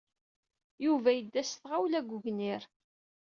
Yuba yedda s tɣawla deg ugnir.